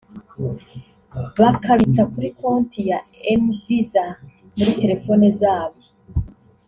bakabitsa kuri konti ya mVisa muri telefone zabo